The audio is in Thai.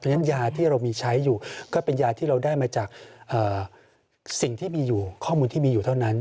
ฉะยาที่เรามีใช้อยู่ก็เป็นยาที่เราได้มาจากสิ่งที่มีอยู่ข้อมูลที่มีอยู่เท่านั้น